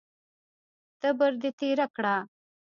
تبر دې تېره کړه!